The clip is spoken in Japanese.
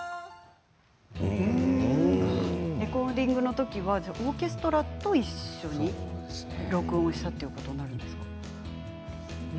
レコーディングの時はオーケストラと一緒に録音したということになるんですか？